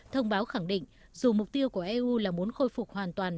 thông báo khẳng định dù mục tiêu của eu là muốn khôi phục hoàn toàn